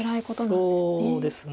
そうですね。